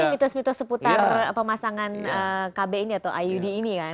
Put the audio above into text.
tapi ada juga yang sebutar pemasangan kb ini atau iud ini kan